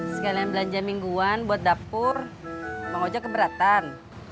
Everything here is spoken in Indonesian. sekalian belanja mingguan buat dapur bang hoja keberatan